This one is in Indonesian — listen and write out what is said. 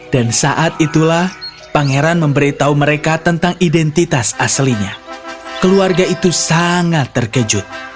dan saat itulah pangeran memberitahu mereka tentang identitas aslinya keluarga itu sangat terkejut